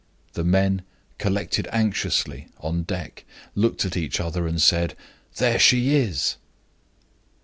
The men collected anxiously on deck, looked at each other, and said: 'There she is!